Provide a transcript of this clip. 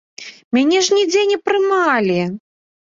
Мяне ж нідзе не прымалі!